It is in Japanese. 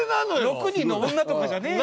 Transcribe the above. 「６人の女」とかじゃねえ。